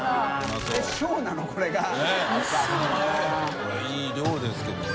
これいい量ですけどね。